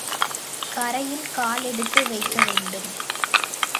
கரையில் காலெடுத்து வைக்க வேண்டும்.